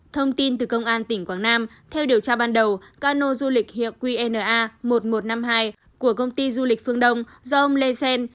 thông tin từ công an tỉnh quảng nam theo điều tra ban đầu cano du lịch hiệu qna một nghìn một trăm năm mươi hai của công ty du lịch phương đông do ông lê xen